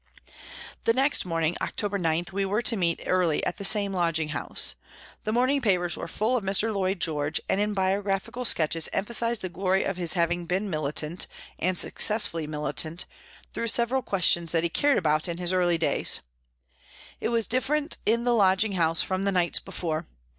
The next morning, October 9, we were to meet early at the same lodging house. The morning papers were full of Mr. Lloyd George, and in bio graphical sketches emphasised the glory of his having been militant, and successfully militant, through several questions that he cared about in his NEWCASTLE 207 early days. It was different in the lodging house from the night before.